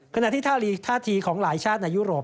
ขณะที่ท่าทีของหลายชาติในยุโรป